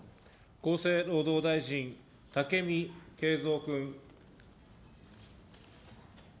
厚生労働大臣、武見敬三君。